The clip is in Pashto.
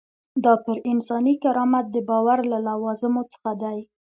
دا پر انساني کرامت د باور له لوازمو څخه دی.